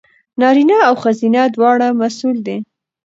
نارینه او ښځینه دواړه مسوول دي.